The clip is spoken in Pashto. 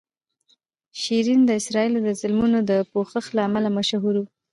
شیرین د اسرائیلو د ظلمونو د پوښښ له امله مشهوره وه.